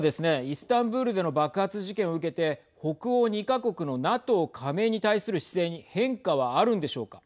イスタンブールでの爆発事件を受けて北欧２か国のＮＡＴＯ加盟に対する姿勢に変化はあるんでしょうか。